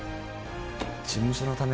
事務所のため？